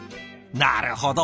なるほど。